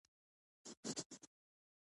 توریزم باید وده وکړي